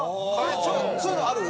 そういうのある？